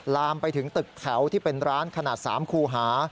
ลามไปถึงตึกแถวที่เป็นร้านขนาด๓คูหา